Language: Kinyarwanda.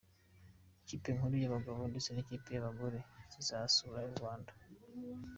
Ikipe nkuru y’abagabo ndetse n’ikipe y’abagore zizasura u Rwanda.